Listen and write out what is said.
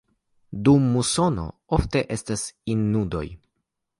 Dum musono ofte estas inundoj.